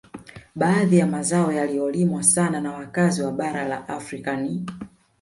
Baadhi ya mazao yaliyolimwa sana na wakazi wa bara la Afrika ni